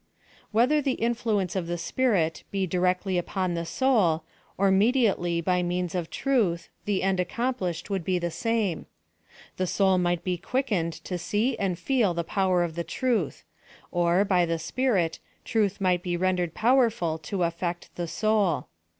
Whether the influence of the Spirit be directly upon the soul, or mediately by means of truth, the end accomplished would be the same. The soul might be quickened to see and feel the power of the truth : or, by the Spiiit, truth might be rendered powerful to affect the soal.